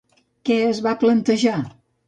Què es va plantejar?